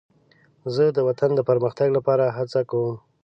زه د وطن د پرمختګ لپاره هڅه کوم.